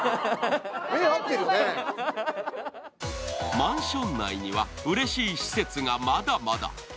マンション内にはうれしい施設がまだまだ。